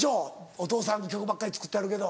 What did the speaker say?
お父さん曲ばっかり作ってはるけど。